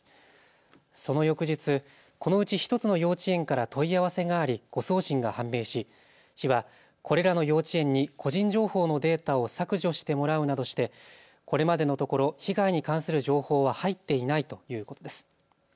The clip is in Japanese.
その翌日、このうち１つの幼稚園から問い合わせがあり誤送信が判明し、市はこれらの幼稚園に個人情報のデータを削除してもらうなどしてこれまでのところ被害に関する情報は入っていないということです。